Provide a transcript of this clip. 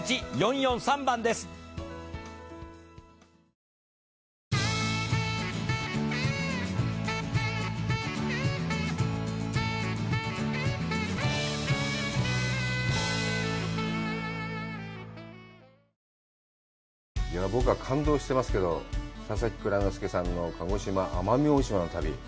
俺は、あのホテル行って、僕は感動してますけど、佐々木蔵之介さんの鹿児島奄美大島の旅。